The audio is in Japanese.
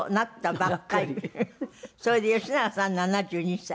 それで吉永さんは７２歳。